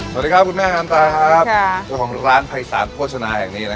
สวัสดีครับคุณแม่คัมตาสวัสดีค่ะของร้านพัยสานโภชนาแห่งนี้นะฮะ